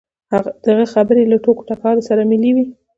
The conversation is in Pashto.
د هغه خبرې له ټوکو ټکالو سره ملې وې.